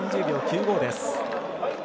３０秒９５です。